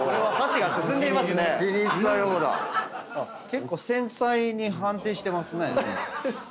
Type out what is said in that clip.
結構繊細に判定してますね。